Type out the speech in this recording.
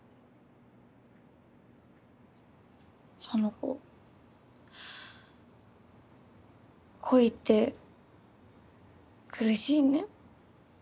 園子恋って苦しいね。